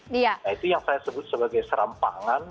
nah itu yang saya sebut sebagai serampangan